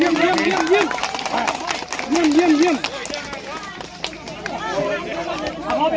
น้องมึงมันตุดมึงมันตุด